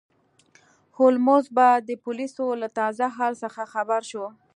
هولمز به د پولیسو له تازه حال څخه خبر شو.